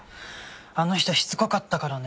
あの人しつこかったからね。